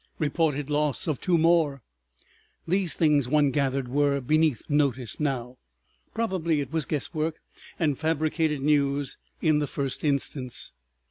Reported Loss of Two More———" These things, one gathered, were beneath notice now. Probably it was guesswork, and fabricated news in the first instance.